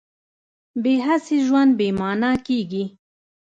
بې هڅې ژوند بې مانا کېږي.